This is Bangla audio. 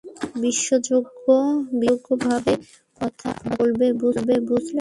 বিশ্বাসযোগ্য ভাবে কথা বলবে, বুঝলে।